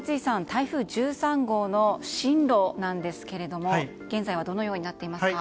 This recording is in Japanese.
台風１３号の進路なんですが現在はどのようになっていますか。